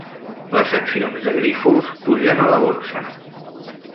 Les accions de Grífols pugen a la Borsa.